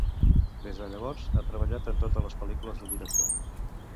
Des de llavors ha treballat en totes les pel·lícules del director.